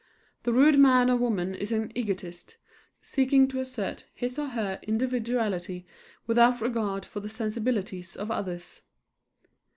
The rude man or woman is an egotist, seeking to assert his or her individuality without regard for the sensibilities of others.